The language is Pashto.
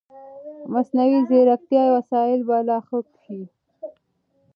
مصنوعي ځیرکتیا وسایل به لا ښه شي.